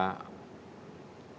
harus uang masuk ke indonesia